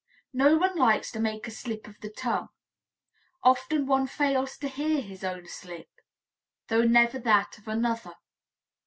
No one likes to make a slip of the tongue; often one fails to hear his own slip, though never that of another.